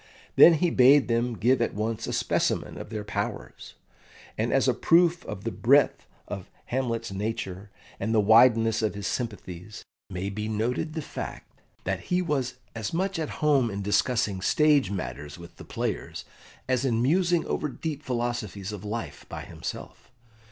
Then he bade them give at once a specimen of their powers; and as a proof of the breadth of Hamlet's nature, and the wideness of his sympathies, may be noted the fact that he was as much at home in discussing stage matters with the players as in musing over deep philosophies of life by himself.